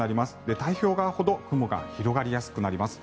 太平洋側ほど雲が広がりやすくなります。